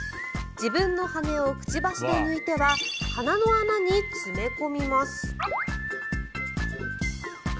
自分の羽根をくちばしで抜いては鼻の穴に詰め込みます。